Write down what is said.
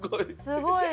すごい。